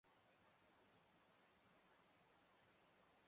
勃朗宁大威力手枪是应法国军队对新型军用手枪的要求而设计的。